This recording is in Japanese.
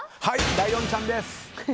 ライオンちゃんです！